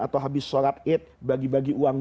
atau habis sholat id bagi bagi uang